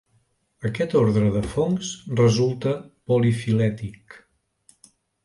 Aquest ordre de fongs resulta polifilètic.